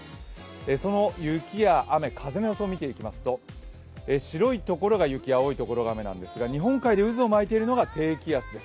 その雪や雨、風の予想を見ていきますと白いところが雪、青いところが雨なんですが日本海で渦を巻いているのが低気圧です。